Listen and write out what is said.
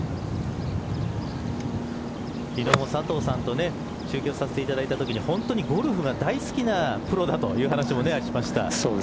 昨日も佐藤さんと中継させていただいたときに本当にゴルフが大好きなプロだという話もしました。